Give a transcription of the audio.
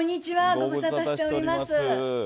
ご無沙汰しております。